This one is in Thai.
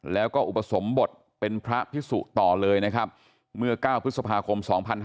แล้วก็อุปสมบทเป็นพระพิสุต่อเลยนะครับเมื่อ๙พฤษภาคม๒๕๕๙